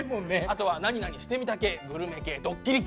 あとは何々してみた系グルメ系ドッキリ系。